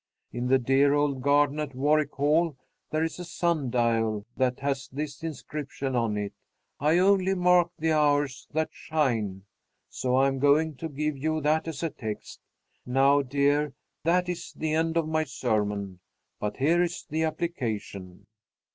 In the dear old garden at Warwick Hall there is a sun dial that has this inscription on it, 'I only mark the hours that shine,' So I am going to give you that as a text. Now, dear, that is the end of my sermon, but here is the application."